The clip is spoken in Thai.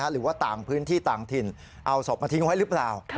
หรือว่าต่างพื้นที่ต่างถิ่นเอาศพมาทิ้งไว้หรือเปล่า